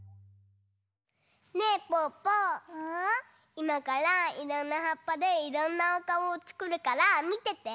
いまからいろんなはっぱでいろんなおかおをつくるからみてて。